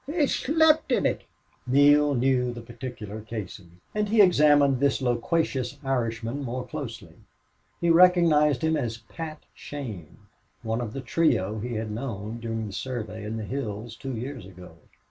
"He shlept in it." Neale knew that particular Casey, and he examined this loquacious Irishman more closely. He recognized him as Pat Shane, one of the trio he had known during the survey in the hills two years ago.